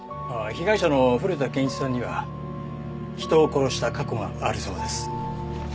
ああ被害者の古田憲一さんには人を殺した過去があるそうです。